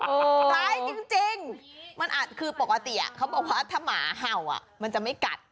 โอ้โฮหายจริงมันอาจคือปกติถ้าหมาเห่ามันจะไม่กัด